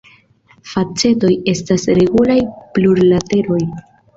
Facetoj estas regulaj plurlateroj.